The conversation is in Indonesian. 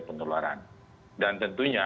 penularan dan tentunya